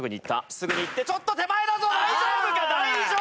すぐにいってちょっと手前だぞ大丈夫か大丈夫か！？